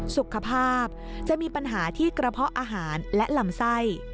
สุขภาพจะมีปัญหาที่กระเพาะอาหารและลำไส้